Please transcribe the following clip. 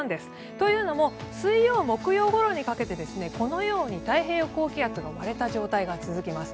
というのも水曜、木曜ごろにかけてこのように太平洋高気圧が割れた状態が続きます。